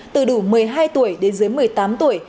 từ đủ một mươi hai tuổi đến dưới một mươi tám tuổi